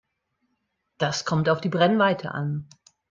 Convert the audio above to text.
Das kommt auf die Brennweite an.